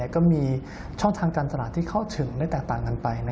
ก็มีช่องทางการตลาดที่เข้าถึงได้แตกต่างกันไป